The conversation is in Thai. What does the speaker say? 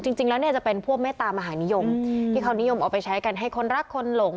จริงแล้วเนี่ยจะเป็นพวกเมตามหานิยมที่เขานิยมเอาไปใช้กันให้คนรักคนหลง